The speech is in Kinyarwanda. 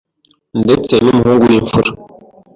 ndetse n’umuhungu w’imfura,